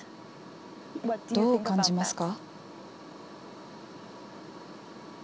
どう感じますか。